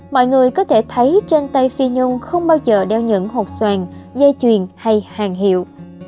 mọi người có thể thấy trên tay phi nhung không bao giờ đeo những hộp xoàn dây chuyền hay hàng hiệu